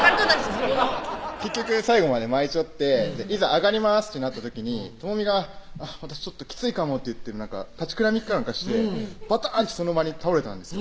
そこの結局最後まで巻いちょっていざ上がりますってなった時に朋美が「私ちょっときついかも」と言って立ちくらみか何かしてバターンってその場に倒れたんです